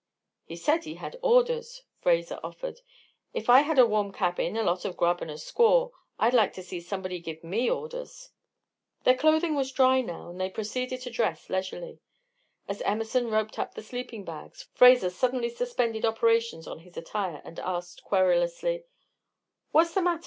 "He said he had orders," Fraser offered. "If I had a warm cabin, a lot of grub and a squaw I'd like to see somebody give me orders." Their clothing was dry now, and they proceeded to dress leisurely. As Emerson roped up the sleeping bags, Fraser suddenly suspended operations on his attire, and asked, querulously: "What's the matter?